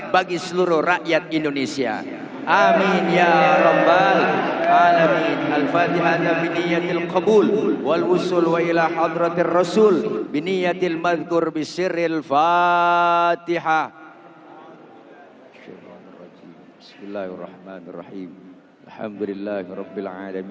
bagi seluruh rakyat indonesia